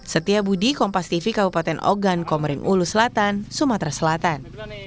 setia budi kompas tv kabupaten ogan komering ulu selatan sumatera selatan